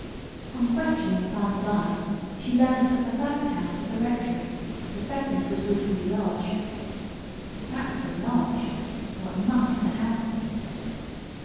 On questioning a passer by she learnt that the first house was the Rectory, the second was Woodview Lodge. If that was the lodge, what must the house be?